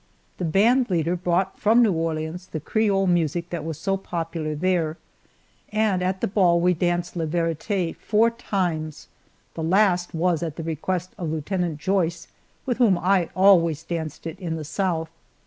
The band leader brought from New Orleans the Creole music that was so popular there, and at the ball we danced Les Varietes four times; the last was at the request of Lieutenant Joyce, with whom I always danced it in the South.